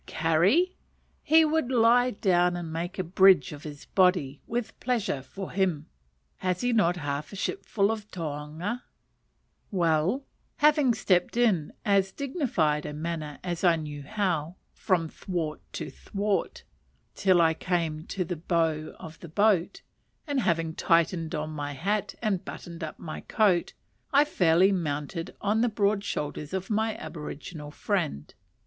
Carry! He would lie down and make a bridge of his body, with pleasure, for him. Has he not half a shipful of taonga? Well, having stepped in as dignified a manner as I knew how, from thwart to thwart, till I came to the bow of the boat, and having tightened on my hat and buttoned up my coat, I fairly mounted on the broad shoulders of my aboriginal friend.